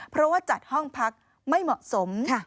เพราะว่าจัดห้องพักไม่เหมาะสม